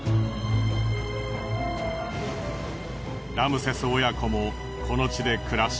ラムセス親子もこの地で暮らし